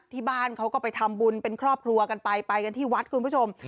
ที่บ้านเขาก็ไปทำบุญเป็นครอบครัวกันไปไปกันที่วัดคุณผู้ชม